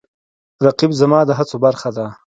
رقیب زما د هڅو برخه ده